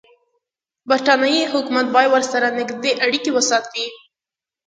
برټانیې حکومت باید ورسره نږدې اړیکې وساتي.